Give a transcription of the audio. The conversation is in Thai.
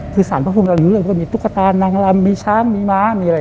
คือศาลพระภูมิเริ่มเริ่มมีตุ๊กตานนางลำมีช้างมีม้ามีอะไร